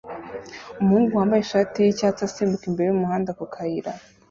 Umuhungu wambaye ishati y'icyatsi asimbuka imbere y'umuhanda ku kayira